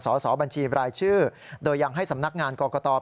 สอบบัญชีรายชื่อโดยยังให้สำนักงานกรกต